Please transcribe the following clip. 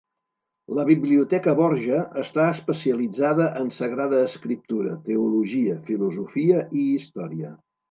La Biblioteca Borja està especialitzada en sagrada escriptura, teologia, filosofia i història.